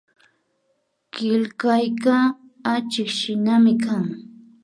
Killkayka achikshinami kan